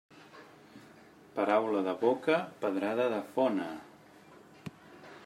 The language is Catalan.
Paraula de boca, pedrada de fona.